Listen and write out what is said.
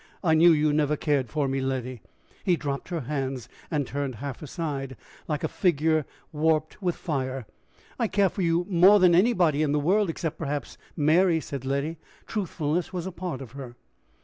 I knew you never cared for me, Letty!" He dropped her hands, and turned half aside, like a figure warped with fire. "I care for you more than anybody in the world except, perhaps, Mary," said Letty: truthfulness was a part of her.